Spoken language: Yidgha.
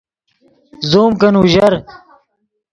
زوم کن اوژر